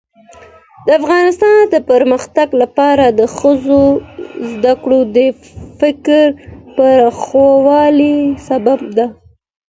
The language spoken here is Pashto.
د افغانستان د پرمختګ لپاره د ښځو زدهکړه د فکر پراخوالي سبب ده.